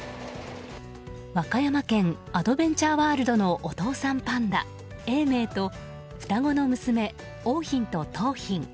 和歌山県アドベンチャーワールドのお父さんパンダ、永明と双子の娘、桜浜と桃浜。